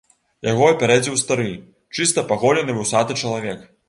Яго апярэдзіў стары, чыста паголены вусаты чалавек.